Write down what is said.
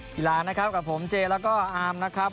กีฬานะครับกับผมเจแล้วก็อามนะครับ